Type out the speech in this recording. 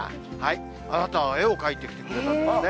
あなたは絵を描いてきてくれたのね。